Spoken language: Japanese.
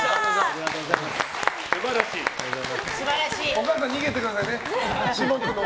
お母さん、逃げてくださいね。